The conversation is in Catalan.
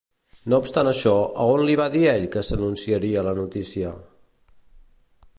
No obstant això, a on li va dir ell que s'anunciaria la notícia?